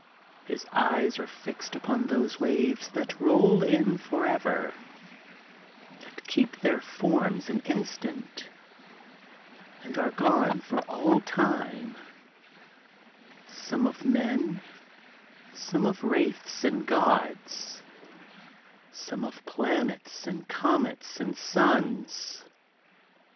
His eyes are fixed upon those waves that roll in forever, that keep their forms an instant, and are gone for all time: some of men, some of wraiths and gods, some of planets and comets and suns.